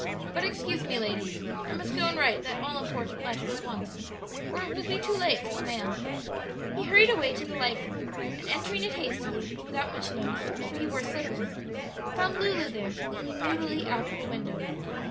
But excuse me, ladies; I must go and write that all important letter at once, or it will be too late for the mail." He hurried away to the library, and entering it hastily, but without much noise, for he wore slippers, found Lulu there, leaning moodily out of a window.